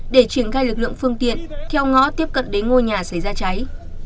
để triển khai lực lượng phương tiện theo ngõ tiếp cận đến ngôi nhà xảy ra cháy